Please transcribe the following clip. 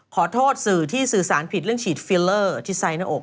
ขอโทษสื่อที่สื่อสารผิดเรื่องฉีดฟิลเลอร์ที่ไซสหน้าอก